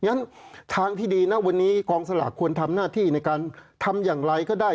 งั้นทางที่ดีนะวันนี้กองสลากควรทำหน้าที่ในการทำอย่างไรก็ได้